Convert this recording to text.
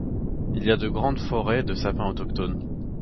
Il y a aussi de grandes forêts de sapins autochtones.